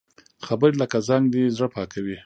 خبرې لکه زنګ دي، زړه پاکوي